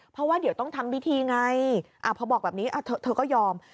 เพราะว่าเดี๋ยวต้องทำพิธีไงพอบอกแบบนี้เธอก็ยอม